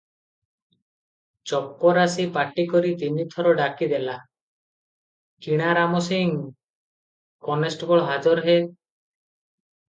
ଚପରାସୀ ପାଟିକରି ତିନିଥର ଡାକି ଦେଲା, "କିଣାରାମ ସିଂ କନେଷ୍ଟବଳ ହାଜର ହେ ।"